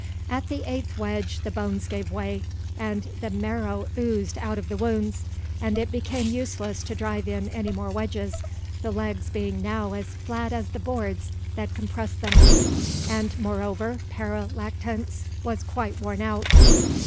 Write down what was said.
At the eighth wedge the bones gave way, and the marrow oozed out of the wounds, and it became useless to drive in any more wedges, the legs being now as flat as the boards that compressed them, and moreover Pere Lactance was quite worn out.